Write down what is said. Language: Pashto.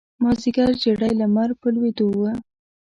مازیګر زیړی لمر په لویېدو و.